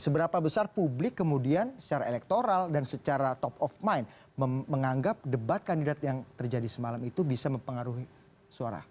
seberapa besar publik kemudian secara elektoral dan secara top of mind menganggap debat kandidat yang terjadi semalam itu bisa mempengaruhi suara